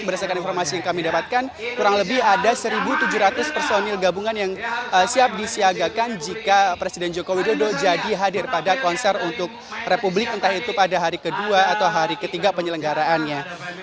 berdasarkan informasi yang kami dapatkan kurang lebih ada satu tujuh ratus personil gabungan yang siap disiagakan jika presiden joko widodo jadi hadir pada konser untuk republik entah itu pada hari kedua atau hari ketiga penyelenggaraannya